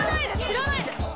知らないです。